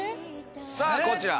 さぁこちら。